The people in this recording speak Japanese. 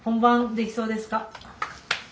できそうです。